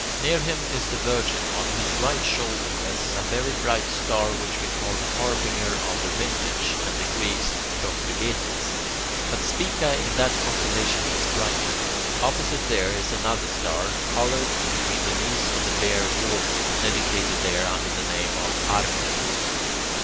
Near him is the Virgin, on whose right shoulder rests a very bright star which we call Harbinger of the Vintage, and the Greeks [Greek: protrygetes]. But Spica in that constellation is brighter. Opposite there is another star, coloured, between the knees of the Bear Warden, dedicated there under the name of Arcturus.